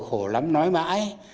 khổ lắm nói mãi